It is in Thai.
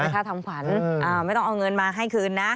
ถ้าทำขวัญไม่ต้องเอาเงินมาให้คืนนะ